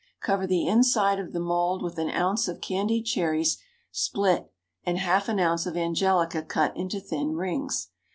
Cover the inside of the mould with an ounce of candied cherries split and half an ounce of angelica cut into thin rings.